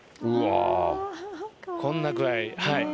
こんな具合。